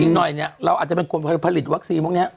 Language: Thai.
อีกหน่อยเราอาจจะเป็นคนผลิตวัคซีน